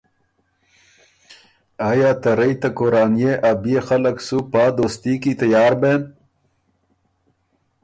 آیا ته رئ ته کورانيې ا بيې خلق سُو پا دوستي کی تیار بېن؟